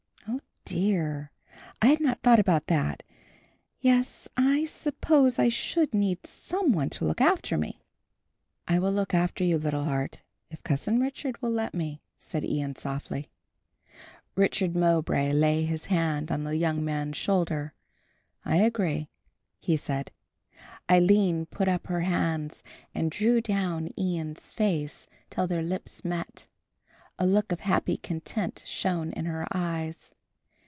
"O dear, I had not thought about that. Yes, I suppose I should need some one to look after me." "I will look after you, little heart, if Cousin Richard will let me," said Ian softly. Richard Mowbray laid his hand on the young man's shoulder. "I agree," he said. Aline put up her hands and drew down Ian's face till their lips met. A look of happy content shone in her eyes.